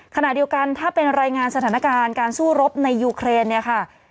ขณะเดียวกันถ้าเป็นรายงานสถานการณ์การสู้รบในยูเครนเนี่ยค่ะ